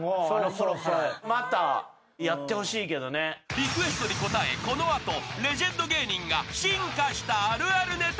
［リクエストに応えこの後レジェンド芸人が進化したあるあるネタを披露］